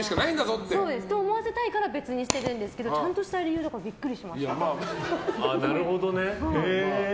と思わせるために別々にしてるんですけどちゃんとした理由だからビックリしました。